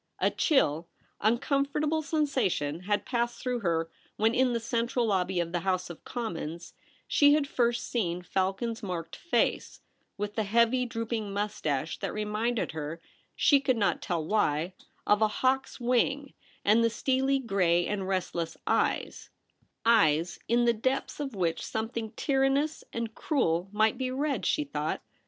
A chill, uncomfortable sensation had passed through her when. In the central lobby of the House of Commons, she had first seen Falcon's marked face, with the heavy droop ing moustache that reminded her, she could not tell why, of a hawk's wing ; and the steely gray and restless eyes — eyes In the depths of which something tyrannous and cruel might be read, she thought.